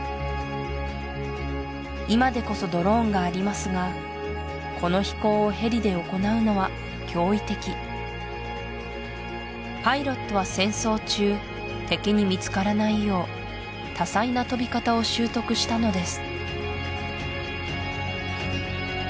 今でこそドローンがありますがこの飛行をヘリで行うのは驚異的パイロットは戦争中敵に見つからないよう多彩な飛び方を習得したのです